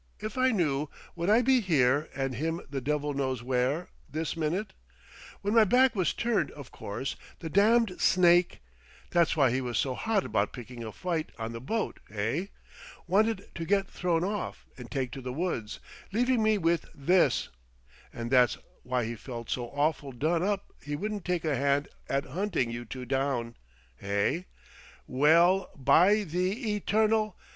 If I knew, would I be here and him the devil knows where, this minute? When my back was turned, of course, the damned snake! That's why he was so hot about picking a fight on the boat, hey? Wanted to get thrown off and take to the woods leaving me with this! And that's why he felt so awful done up he wouldn't take a hand at hunting you two down, hey? Well by the Eternal!